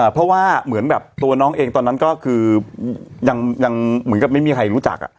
เพราะว่าเหมือนแบบตัวน้องเองตอนนั้นก็คือยังเหมือนกับไม่มีใครรู้จัก